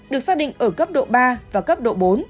được xác định ở cấp độ ba và cấp độ bốn